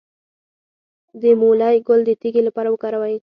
د مولی ګل د تیږې لپاره وکاروئ